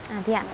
à thế ạ